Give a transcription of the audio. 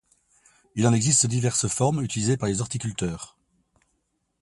Il en existe diverses formes utilisées par les horticulteurs.